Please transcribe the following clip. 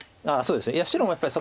いや白もやっぱりそこ。